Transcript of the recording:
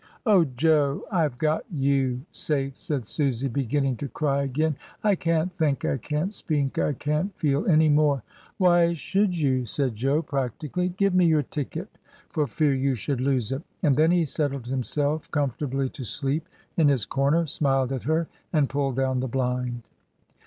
"O! Jo, I have got you safe," said Susy, be ginning to cry again, "I can't think, "I can't speak — I can't feel — any more." ... "Why should you?" said Jo, practically. "Give me your ticket, for fear you should lose it," and then he settled himself comfortably to sleep in his comer, smiled at her, and pulled down the blind.